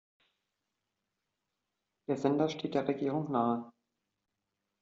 Der Sender steht der Regierung nahe.